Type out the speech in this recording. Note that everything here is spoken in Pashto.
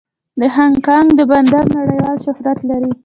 د هانګ کانګ بندر نړیوال شهرت لري.